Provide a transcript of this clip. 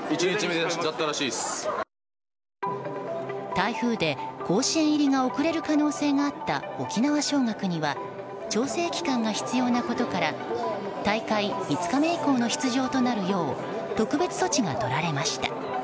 台風で甲子園入りが遅れる可能性があった沖縄尚学には調整期間が必要なことから大会５日目以降の出場となるよう特別措置がとられました。